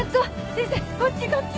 先生こっちこっち。